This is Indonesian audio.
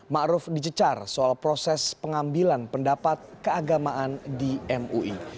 ma'ruf dicecar soal proses pengambilan pendapat keagamaan di mui